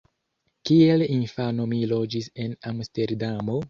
Kiel infano mi loĝis en Amsterdamo.